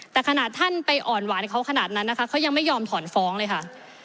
แต่ขนาดท่านไปอ่อนหวานเขาขนาดนั้นนะคะเขายังไม่ยอมถอนฟ้องเลยค่ะ